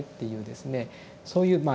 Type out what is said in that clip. そういうまあ